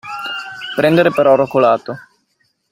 Prendere per oro colato.